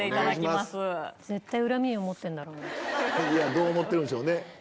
ちょっと絶対、恨みを持ってるんだろどう思ってるんでしょうね。